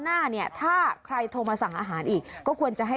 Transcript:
ก็มีเรื่องของต้นทุนทั้งนั้นแหละไง